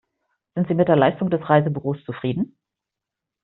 Sind Sie mit der Leistung des Reisebüros zufrieden?